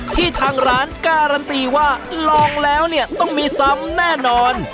ทางร้านการันตีว่าลองแล้วเนี่ยต้องมีซ้ำแน่นอน